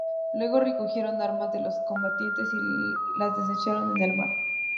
Luego recogieron armas de los combatientes y las desecharon en el mar.